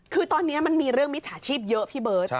คือตอนนี้มันมีเรื่องมิจฉาชีพเยอะพี่เบิร์ต